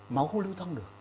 máu không lưu thông được